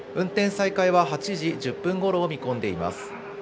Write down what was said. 運転再開は８時１０分ごろを見込んでいます。